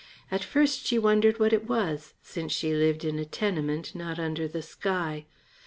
At first she wondered what it was, since she lived in a tenement, not under the sky.